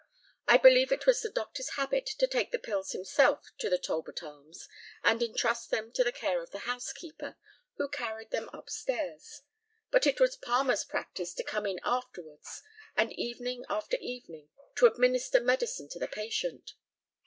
I believe it was the doctor's habit to take the pills himself to the Talbot Arms, and intrust them to the care of the housekeeper, who carried them upstairs; but it was Palmer's practice to come in afterwards, and evening after evening, to administer medicine to the patient.